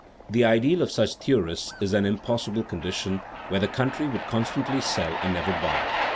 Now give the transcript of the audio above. The ideal of such theorists is an impossible condition where the country would constantly sell and never buy.